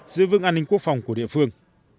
giữa vương an ninh quốc phòng của địa phương